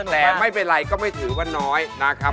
แต่ไม่เป็นไรก็ไม่ถือว่าน้อยนะครับ